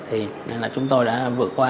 thì nên là chúng tôi đã vượt qua